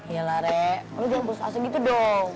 yalah rek lo jangan berusaha segitu dong